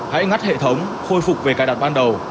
hãy ngắt hệ thống khôi phục về cài đặt ban đầu